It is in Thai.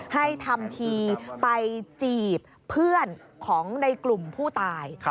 ให้ทำทีไปจีบเพื่อนของในกลุ่มผู้ตาย